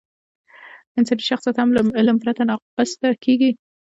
انساني شخصیت هم له علم پرته ناقص کېږي.